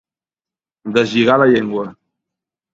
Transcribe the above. Deslligar la llengua.